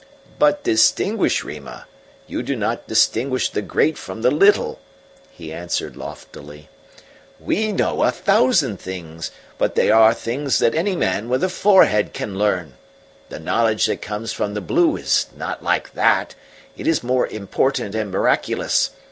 "But distinguish, Rima. You do not distinguish the great from the little," he answered loftily. "WE know a thousand things, but they are things that any man with a forehead can learn. The knowledge that comes from the blue is not like that it is more important and miraculous.